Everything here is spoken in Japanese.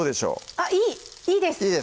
あっいいいいです